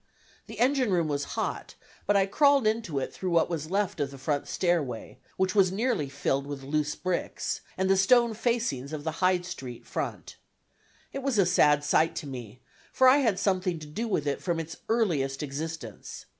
The engine room was hot, but I crawled into it through what was left of the front stairway, which was nearly filled with loose bricks, and the stone facings of the Hyde Street front. It was a sad sight to me, for I had something to do with it from its earliest existence.